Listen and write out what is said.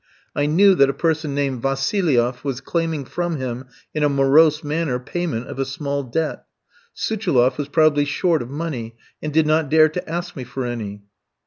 I knew that a person named Vassilieff was claiming from him in a morose manner payment of a small debt. Suchiloff was probably short of money, and did not dare to ask me for any.